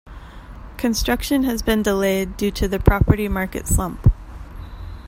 Construction has been delayed due to the property market slump.